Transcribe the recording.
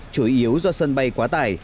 chủ yếu do sân bay quá tải